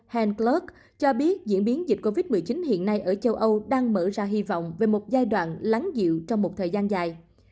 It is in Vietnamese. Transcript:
hanclug cho biết diễn biến dịch covid một mươi chín hiện nay ở châu âu đang mở ra hy vọng về một giai đoạn lắng dịu trong một thời gian dài